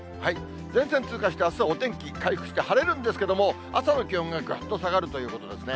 前線通過して、あすはお天気回復して、晴れるんですけども、朝の気温がぐっと下がるということですね。